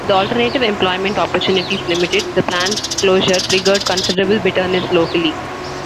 With alternative employment opportunities limited, the plant closure triggered considerable bitterness locally.